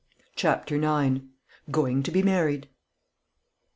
CHAPTER IX. "GOING TO BE MARRIED!"